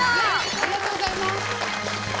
ありがとうございます！